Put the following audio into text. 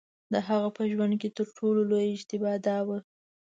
د هغه په ژوند کې تر ټولو لویه اشتباه دا وه.